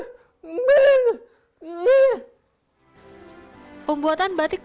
sebelum membuat pintas kain mencapaiuf ternyata untuk adanya